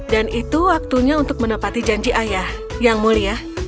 dan itu waktunya untuk menepati janji ayah yang mulia